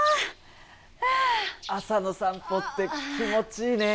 朝の散歩って気持ちいいね。